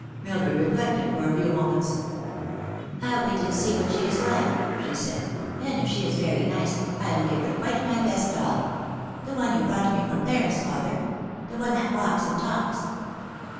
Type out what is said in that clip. Mildred reflected for a few moments. " I'll wait and see what she is like," she said, " and if she is very nice I will give her quite my best doll. The one you brought me from Paris, father. The one that walks and talks."